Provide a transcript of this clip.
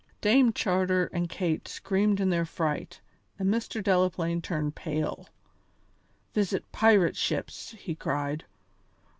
Dame Charter and Kate screamed in their fright, and Mr. Delaplaine turned pale. "Visit pirate ships!" he cried.